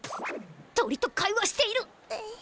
鳥と会話している！